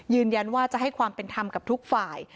ยืนยันว่าจะให้ความเป็นธรรมกับทุกฝ่าย